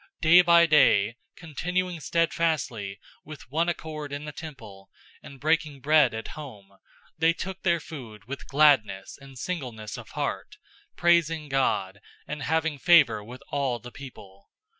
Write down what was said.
002:046 Day by day, continuing steadfastly with one accord in the temple, and breaking bread at home, they took their food with gladness and singleness of heart, 002:047 praising God, and having favor with all the people.